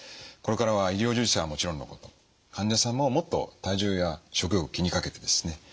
これからは医療従事者はもちろんのこと患者さんももっと体重や食欲を気にかけてですね